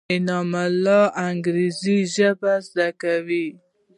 انعام الله انګرېزي ژبه زده کوي.